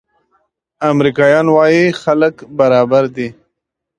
امریکایان وايي خلک برابر دي.